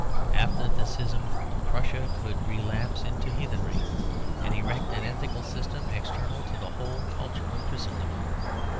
After the schism Prussia could relapse into heathenry and erect an ethical system external to the whole culture of Christendom.